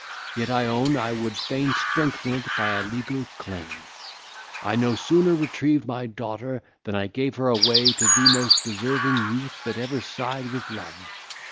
Yet I own I would fain strengthen it by a legal claim. I no sooner retrieved my daughter than I gave her away to the most deserving youth that ever sighed with love.